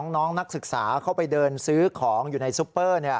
น้องนักศึกษาเข้าไปเดินซื้อของอยู่ในซุปเปอร์